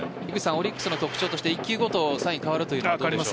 オリックスの特徴として１球ごとにサインが変わるという特徴。